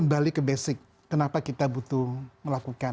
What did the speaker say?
kembali ke basic kenapa kita butuh melakukan